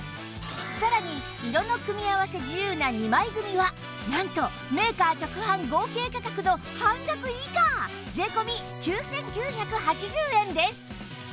さらに色の組み合わせ自由な２枚組はなんとメーカー直販合計価格の半額以下税込９９８０円です